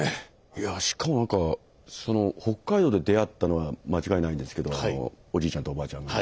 いやあしかもなんかその北海道で出会ったのは間違いないんですけどあのおじいちゃんとおばあちゃんが。